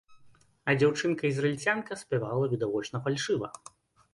А дзяўчынка-ізраільцянка спявала відавочна фальшыва.